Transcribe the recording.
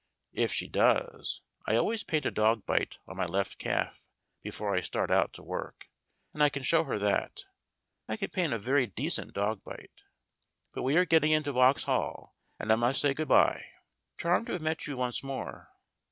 If she does, I always paint a dog bite on my left calf before I start out to work, and I can show her that. I can paint a very decent dog bite. But we are getting into Vauxhall, and I must say good bye. Charmed to have met you once more.